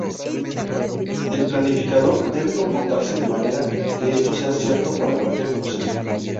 El planificador debe comportarse de manera que esto sea cierto para cualquier proceso.